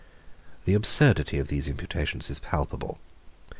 The absurdity of these imputations is palpable.